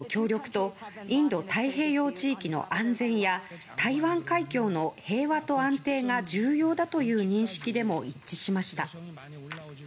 また、両国は中国も念頭に日米韓３か国の協力とインド太平洋地域の安全や台湾海峡の平和と安定が重要だという認識でも一致しました。